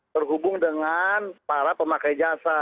terhubung dengan para pemakai jasa